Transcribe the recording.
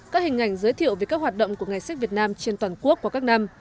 các hình ảnh giới thiệu về các hoạt động của ngày sách việt nam trên toàn quốc qua các năm